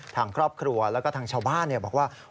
ทางครอบครัวแล้วก็ทางชาวบ้านบอกว่า